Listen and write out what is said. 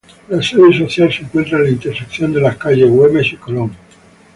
La sede social se encuentra en la intersección de las calles Güemes y Colón.